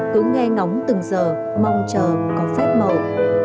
cứ nghe ngóng từng giờ mong chờ có phép mầu